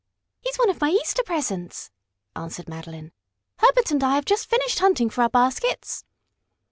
"He's one of my Easter presents," answered Madeline. "Herbert and I have just finished hunting for our baskets."